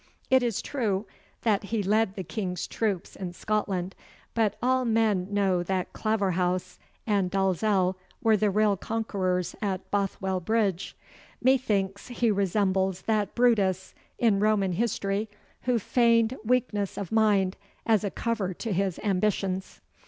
It is true that he led the King's troops in Scotland, but all men knew that Claverhouse and Dalzell were the real conquerors at Bothwell Bridge. Methinks he resembles that Brutus in Roman history who feigned weakness of mind as a cover to his ambitions.